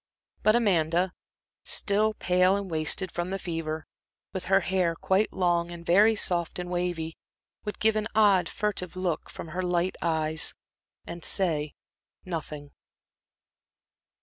But Amanda, still pale and wasted from the fever with her hair quite long and very soft and wavy, would give an odd, furtive look from her light eyes and say nothing.